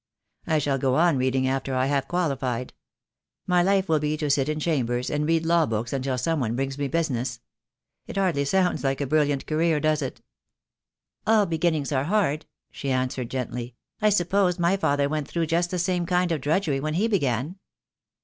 I shall go on reading after I have qualified. My life will be to sit in chambers and read law books until someone brings me business. It hardly sounds like a brilliant career, does it?" 1 66 THE DAY WILL COME. "All beginnings are hard," she answered, gently. "I suppose my father went through just the same kind of drudgery when he began?"